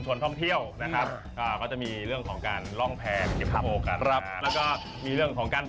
เป็นยังไงนะคะฮูแซ็ก